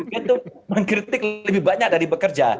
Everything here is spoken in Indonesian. untuk mengkritik lebih banyak dari bekerja